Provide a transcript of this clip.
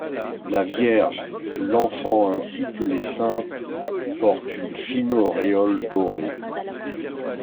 La Vierge, l'Enfant ainsi que les saintes, portent une fine auréole dorée.